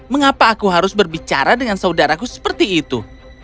mengapa aku harus berbicara dengan saudaraku seperti itu